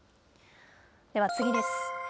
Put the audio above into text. では次です。